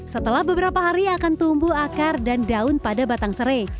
setelah beberapa hari akan tumbuh akar dan daun pada batang serai